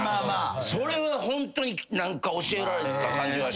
それはホントに教えられた感じはした。